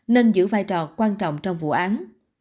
nên giữ vai trò quan trọng trong vụ án